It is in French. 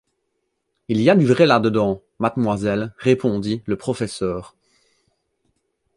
Il y a du vrai là-dedans, mademoiselle, répondit le professeur.